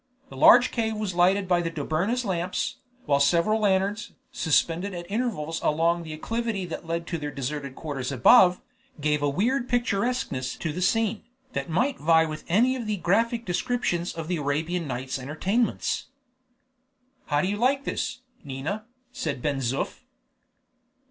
The large cave was lighted by the Dobryna's lamps, while several lanterns, suspended at intervals along the acclivity that led to their deserted quarters above, gave a weird picturesqueness to the scene, that might vie with any of the graphic descriptions of the "Arabian Nights' Entertainments." "How do you like this, Nina?" said Ben Zoof.